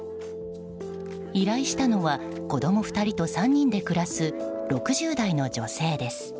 依頼したのは、子供２人と３人で暮らす６０代の女性です。